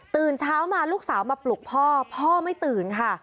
เช้ามาลูกสาวมาปลุกพ่อพ่อไม่ตื่นค่ะ